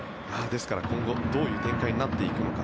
ですから、今後どういう展開になっていくのか。